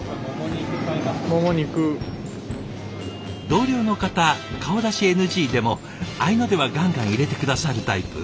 同僚の方顔出しＮＧでも合いの手はガンガン入れて下さるタイプ。